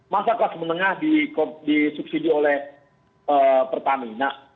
masa kelas menengah disubsidi oleh pertamina